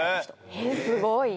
「えっすごい！」